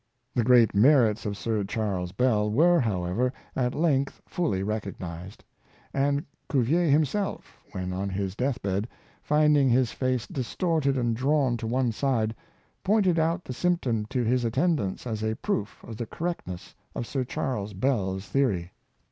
The great merits of Sir Charles Bell were, however, at length fully recognized ; and Cuvier himself, when on his death bed, finding his face distorted and drawn to one side, pointed out the symptom to his attendants as a proof of the correct ness of Sir Charles Bell's theory.